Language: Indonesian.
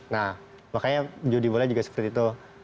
nah makanya judi bola juga seperti itu